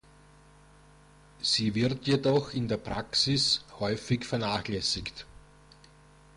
Sie wird jedoch in der Praxis häufig vernachlässigt.